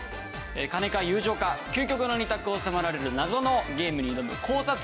金か友情か究極の２択を迫られる謎のゲームに挑む考察系ドラマです。